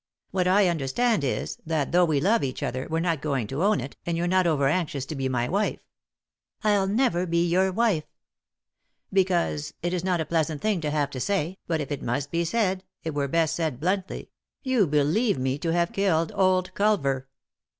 What I understand is that, though we love each other, you're not going to own it, and you're not over anxious to be my wife "" I'll never be your wife I " "Because — it is not a pleasant thing to have to say, but if it must be said, it were best said bluntly — you believe me to have killed old Culver."